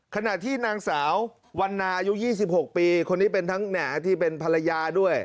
ขณะที่นางสาววันนาอายุ๒๖ปีคนนี้เป็นทั้งแหน่ที่เป็นภรรยาด้วย